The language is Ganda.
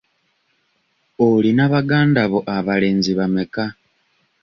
Olina baganda bo abalenzi bameka?